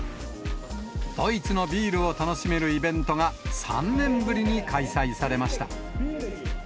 ドイツのビールを楽しめるイベントが３年ぶりに開催されました。